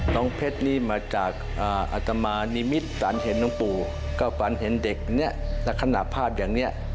เพชรนี่มาจากอัตมานิมิตฝันเห็นน้องปู่ก็ฝันเห็นเด็กเนี่ยลักษณะภาพอย่างนี้